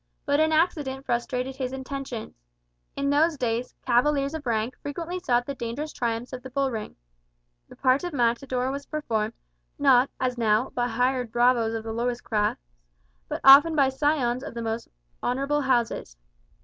But an accident frustrated his intentions. In those days, cavaliers of rank frequently sought the dangerous triumphs of the bull ring. The part of matador was performed, not, as now, by hired bravos of the lowest class, but often by scions of the most honourable houses.